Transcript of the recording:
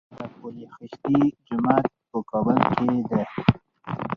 د پل خشتي جومات په کابل کې دی